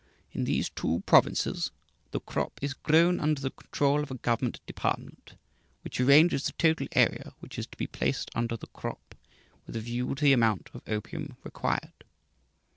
In these two provinces, the crop is grown under the control of a government department, which arranges the total area which is to be placed under the crop, with a view to the amount of opium required."